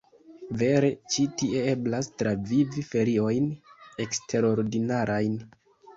Vere ĉi tie eblas travivi feriojn eksterordinarajn!